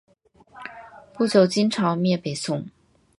不久金朝灭北宋。